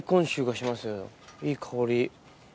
いい香り。